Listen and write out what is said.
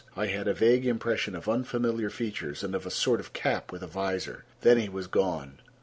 I had a vague impression of unfamiliar features and of a sort of cap with a visor. Then he was gone.